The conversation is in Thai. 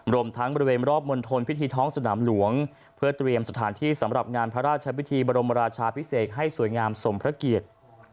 รวมทั้งบริเวณรอบมณฑลพิธีท้องสนามหลวงเพื่อเตรียมสถานที่สำหรับงานพระราชพิธีบรมราชาพิเศษให้สวยงามสมพระเกียรติ